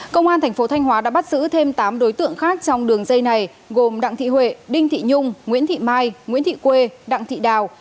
công an thành phố thanh hóa đã bắt giữ thêm tám đối tượng khác trong đường dây này gồm đặng thị huệ đinh thị nhung nguyễn thị mai nguyễn thị quê đặng thị đào